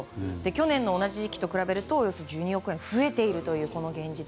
去年の同じ時期と比べるとおよそ１２億円増えているというこの現実。